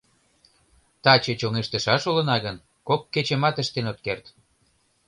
— Таче чоҥештышаш улына гын, кок кечымат ыштен от керт».